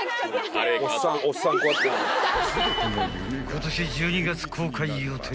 ［今年１２月公開予定